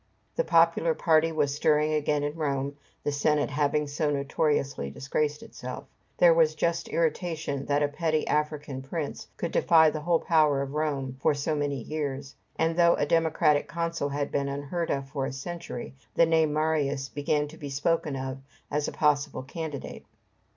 The popular party were stirring again in Rome, the Senate having so notoriously disgraced itself. There was just irritation that a petty African prince could defy the whole power of Rome for so many years; and though a democratic consul had been unheard of for a century, the name of Marius began to be spoken of as a possible candidate.